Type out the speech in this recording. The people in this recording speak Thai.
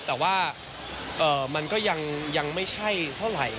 แต่ว่ามันก็ยังยังไม่ใช่เท่าเลย